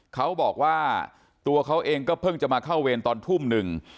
เขาบอกว่าตัวเขาเองก็เพิ่งจะมาเข้าเวรตอนทุ่มหนึ่ง